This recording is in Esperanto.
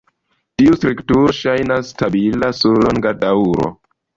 Tiu strukturo ŝajnas stabila sur longa daŭro.